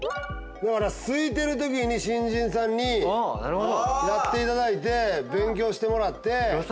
だからすいてる時に新人さんにやっていただいて勉強してもらって。